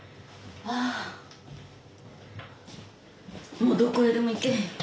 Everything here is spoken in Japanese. もうどこへでも行け。